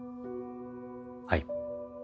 はい。